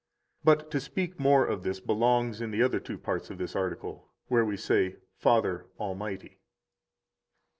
18 But to speak more of this belongs in the other two parts of this article, where we say: Father Almighty.